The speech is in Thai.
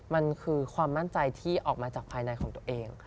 มันคือความมั่นใจที่ออกมาจากภายในของตัวเอง